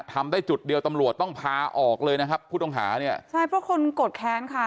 ทำได้จุดเดียวตำรวจต้องพาออกเลยนะครับผู้ต้องหาเนี่ยใช่เพราะคนโกรธแค้นค่ะ